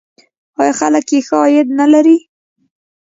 آیا خلک یې ښه عاید نلري؟